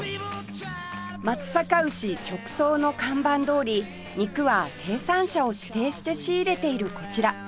「松阪牛直送」の看板どおり肉は生産者を指定して仕入れているこちら